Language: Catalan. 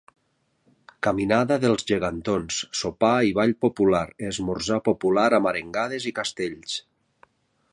Caminada dels Gegantons, sopar i ball popular, esmorzar popular amb arengades i castells.